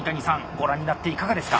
ご覧になっていかがですか？